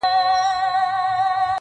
قلم هلته پاچا دی او کتاب پکښي وزیر دی-